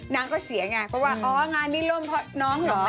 นางก็เสียงานเพราะว่างานนี้ร่มเพราะน้องเหรอ